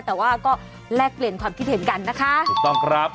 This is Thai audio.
แต่ว่าก็แลกเปลี่ยนความคิดเห็นกันนะคะถูกต้องครับ